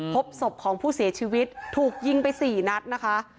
พบศพของผู้เสียชีวิตถูกยิงไป๔นัดนะคะ